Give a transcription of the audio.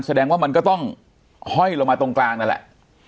แสดงว่ามันก็ต้องห้อยลงมาตรงกลางนั่นแหละ